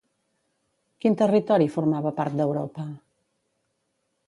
Quin territori formava part d'Europa?